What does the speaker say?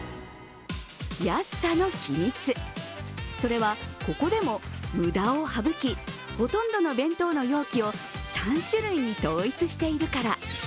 安さの秘密、それはここでも無駄を省きほとんどの弁当の容器を３種類に統一しているから。